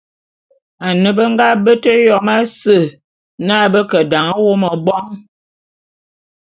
Ane be nga bete Yom ase na be ke dan wô mebôn.